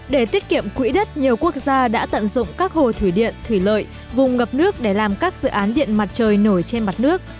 để tiết kiệm quỹ đất nhiều quốc gia đã tận dụng các hồ thủy điện thủy lợi vùng ngập nước để làm các dự án điện mặt trời nổi trên mặt nước